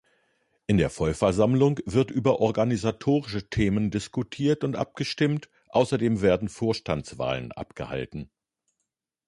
In der Vollversammlung wird über organisatorische Themen diskutiert und abgestimmt, außerdem werden Vorstandswahlen abgehalten.